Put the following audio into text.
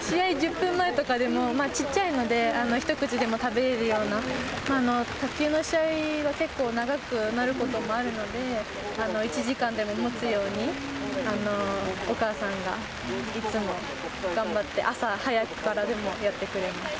試合１０分前とかでも、ちっちゃいので、一口でも食べれるような、卓球の試合は、結構、長くなることもあるので、１時間でももつように、お母さんがいつも頑張って、朝早くからでもやってくれます。